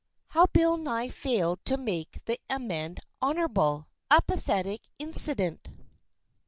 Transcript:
HOW BILL NYE FAILED TO MAKE THE AMENDE HONORABLE A PATHETIC INCIDENT.